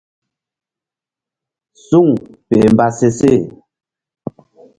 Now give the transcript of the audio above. Suŋ peh mba se seh.